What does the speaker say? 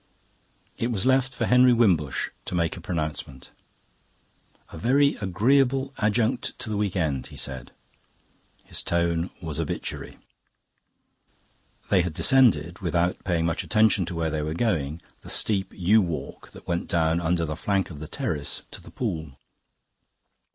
It was left for Henry Wimbush to make a pronouncement. "A very agreeable adjunct to the week end," he said. His tone was obituary. They had descended, without paying much attention where they were going, the steep yew walk that went down, under the flank of the terrace, to the pool.